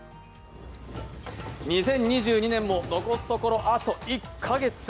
２０２２年も、残すところあと１か月。